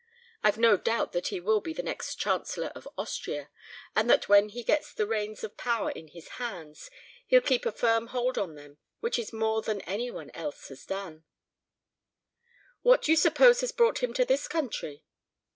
I've no doubt that he will be the next Chancellor of Austria, and that when he gets the reins of power in his hands, he'll keep a firm hold on them, which is more than any one else has done " "What do you suppose has brought him to this country?"